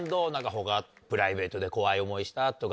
他プライベートで怖い思いしたとか。